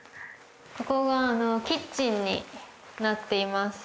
ここがキッチンになっています